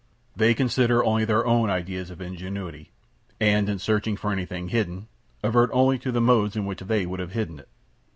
They consider only their own ideas of ingenuity; and, in searching for anything hidden, advert only to the modes in which they would have hidden it.